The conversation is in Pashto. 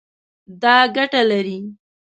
دا ګټه لري